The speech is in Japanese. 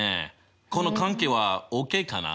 この関係はＯＫかな？